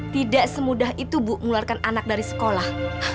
tidak semudah itu bu mengeluarkan anak dari sekolah